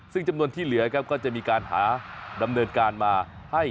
ซึ่งจำนวนที่เหลือครับก็จะมีการหาดำเนินการมาให้